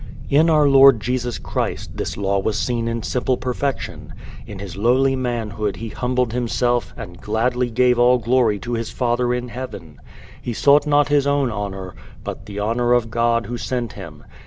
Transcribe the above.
In our Lord Jesus Christ this law was seen in simple perfection. In His lowly manhood He humbled Himself and gladly gave all glory to His Father in heaven. He sought not His own honor, but the honor of God who sent Him.